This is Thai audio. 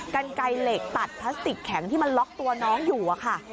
กันไกลเหล็กตัดพลาสติกแข็งที่มันล็อกตัวน้องอยู่อะค่ะ